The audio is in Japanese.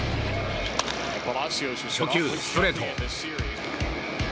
初球、ストレート！